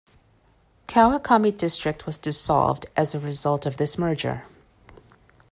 Kawakami District was dissolved as a result of this merger.